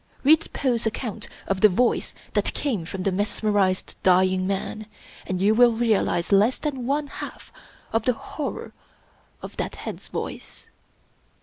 Read Poe's account of the voice that came from the mesmerized dying man, and you will realize less than pne half of the horror of that head's voice.